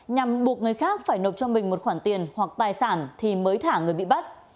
nhằm buộc người khác phải nộp cho mình một khoản tiền hoặc tài sản thì mới thả người bị bắt